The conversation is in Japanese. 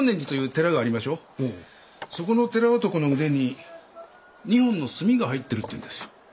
そこの寺男の腕に２本の墨が入ってるって言うんですよ。